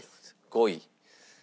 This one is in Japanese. ５位。